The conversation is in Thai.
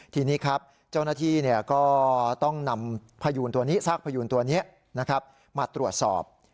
ทีนี้ครับเจ้าหน้าที่ก็ต้องนำพยูนตัวนี้ซากพยูนตัวนี้มาตรวจสอบ